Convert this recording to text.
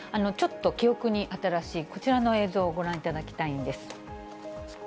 ちょっと記憶に新しい、こちらの映像をご覧いただきたいんです。